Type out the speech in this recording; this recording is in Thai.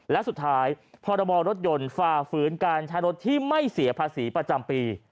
และสุดท้ายพรบรถยนต์ฝ่าฝืนการใช้รถที่ไม่เสียภาษีประจำปี